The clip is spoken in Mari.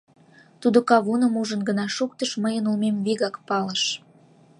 Тудо кавуным ужын гына шуктыш — мыйын улмем вигак палыш.